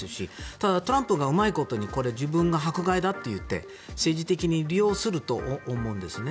ただ、トランプがうまいことにこれ、自分が迫害だといって政治的に利用すると思うんですね。